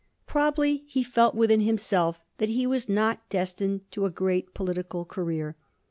Probably he felt within himself that he was not destined to a great political career.